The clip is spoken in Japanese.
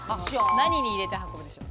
何に入れて運ぶでしょう？